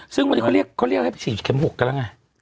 ซึ่งเมื่อกี๊เขาเรียกขี้แข็มแล้วไง